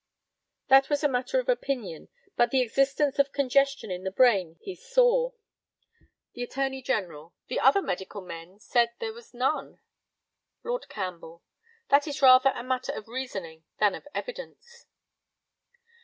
That was a matter of opinion; but the existence of congestion in the brain he saw. The ATTORNEY GENERAL: The other medical men said there was none. Lord CAMPBELL: That is rather a matter of reasoning than of evidence.